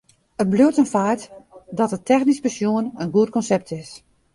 Mar it bliuwt in feit dat it technysk besjoen in goed konsept is.